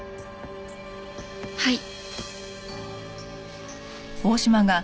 はい。